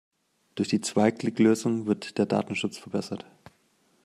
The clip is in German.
Durch die Zwei-Klick-Lösung wird der Datenschutz verbessert.